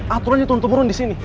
aturannya turun temurun disini